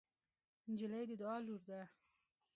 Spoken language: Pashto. نجلۍ د دعا لور ده.